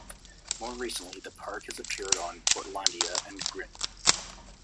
More recently, the park has appeared on "Portlandia" and "Grimm".